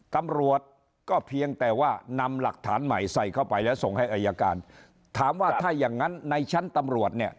ตำรวจก็เพียงแต่ว่านำหลักฐานใหม่ใส่เข้าไปแล้วส่งให้อายการถามว่าถ้าอย่างงั้นในชั้นตำรวจเนี่ย